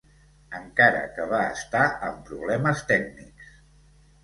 Encara que va estar amb problemes tècnics.